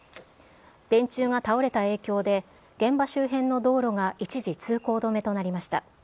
電柱が倒れた影響で、現場周辺の道路が一時通行止めとなりました。